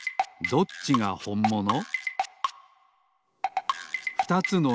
どっちがほんもの？